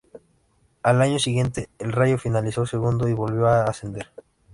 Al año siguiente el Rayo finalizó segundo y volvió a ascender.